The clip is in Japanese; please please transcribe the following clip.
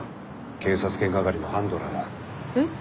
警察犬係のハンドラーだ。え？